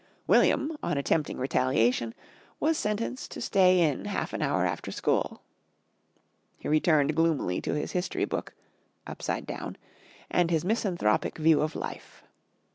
William, on attempting retaliation, was sentenced to stay in half an hour after school. He returned gloomily to his history book (upside down) and his misanthropic view of life.